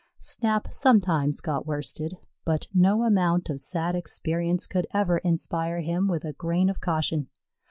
Snap sometimes got worsted, but no amount of sad experience could ever inspire him with a grain of caution.